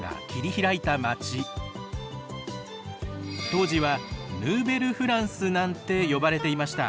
当時はヌーベルフランスなんて呼ばれていました。